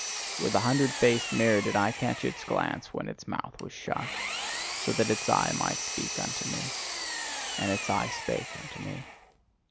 With a hundred faced mirror did I catch its glance when its mouth was shut, so that its eye might speak unto me. And its eye spake unto me.